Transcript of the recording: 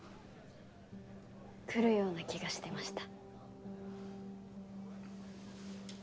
来るような気がしてました。